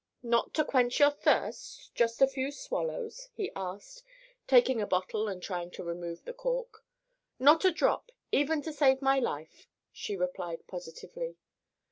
"Not to quench your thirst—just a few swallows?" he asked, taking a bottle and trying to remove the cork. "Not a drop, even to save my life," she replied positively.